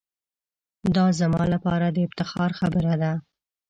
دا زما لپاره دافتخار خبره ده.